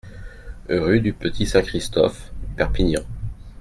Rue du Petit-Saint-Christophe, Perpignan